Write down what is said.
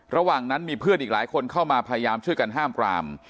ระหว่างนั้นมีเพื่อนอีกหลายคนเข้ามาพยายามช่วยกันห้ามปราม